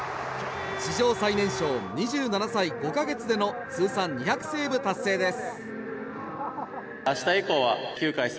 史上最年少２７歳５か月での通算２００セーブ達成です。